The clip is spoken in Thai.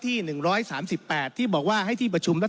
ท่านประธานก็เป็นสอสอมาหลายสมัย